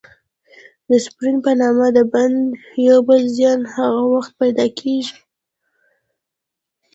د سپرن په نامه د بند یو بل زیان هغه وخت پیدا کېږي.